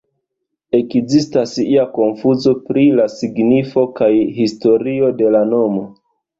Ekzistas ia konfuzo pri la signifo kaj historio de la nomo.